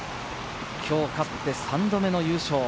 今日勝って３度目の優勝。